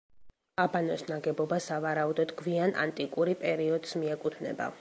აბანოს ნაგებობა სავარაუდოდ გვიან ანტიკური პერიოდს მიეკუთვნება.